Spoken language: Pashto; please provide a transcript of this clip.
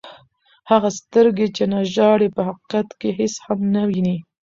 هغه سترګي، چي نه ژاړي په حقیقت کښي هيڅ هم نه ويني.